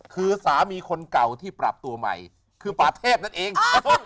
คือสามีคนเก่าที่ปรับตัวใหม่คือปาเทพนั่นเอง